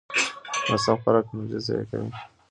ناسم خوراک انرژي ضایع کوي.